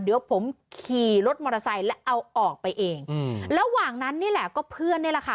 เดี๋ยวผมขี่รถมอเตอร์ไซค์แล้วเอาออกไปเองอืมระหว่างนั้นนี่แหละก็เพื่อนนี่แหละค่ะ